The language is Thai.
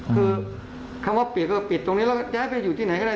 คือคำว่าเปลี่ยนก็เปลี่ยนตรงนี้แล้วก็ย้ายไปอยู่ที่ไหนก็ได้